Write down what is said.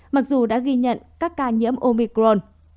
mặc dù đã ghi nhận các ca nhiễm omicron